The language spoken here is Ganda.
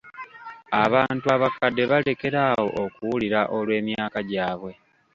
Abantu abakadde balekera awo okuwulira olw'emyaka gyabwe.